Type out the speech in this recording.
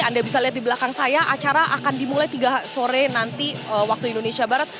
anda bisa lihat di belakang saya acara akan dimulai tiga sore nanti waktu indonesia barat